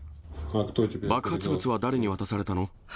爆発物は誰に渡されたの？